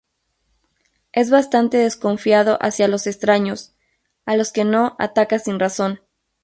Es bastante desconfiado hacia los extraños, a los que no ataca sin razón.